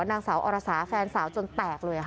นางสาวอรสาแฟนสาวจนแตกเลยค่ะ